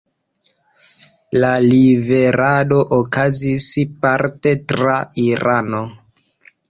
La liverado okazis parte tra Irano.